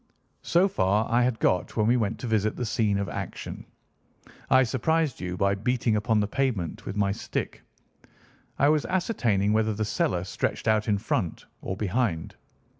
"So far I had got when we went to visit the scene of action. I surprised you by beating upon the pavement with my stick. I was ascertaining whether the cellar stretched out in front or behind.